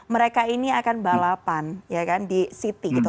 mereka ini akan balapan ya kan di city gitu